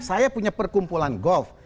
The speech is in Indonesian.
saya punya perkumpulan golf